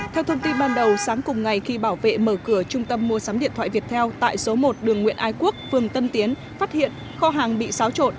theo thông tin ban đầu sáng cùng ngày khi bảo vệ mở cửa trung tâm mua sắm điện thoại việt theo tại số một đường nguyện ai quốc phường tân tiến phát hiện kho hàng bị xáo trộn